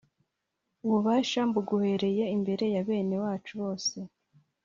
Ububasha mbuguhereye imbere ya bene wacu bose